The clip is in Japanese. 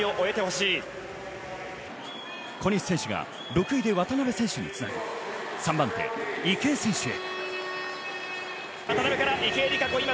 小西選手が６位で渡部選手につなぎ、渡部選手から池江選手へ。